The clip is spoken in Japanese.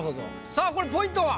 さあこれポイントは？